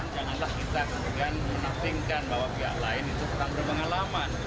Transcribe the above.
janganlah kita menampingkan bahwa pihak lain itu tetangga pengalaman